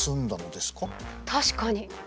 確かに。